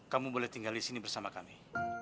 kamu boleh tinggal di sini bersama kami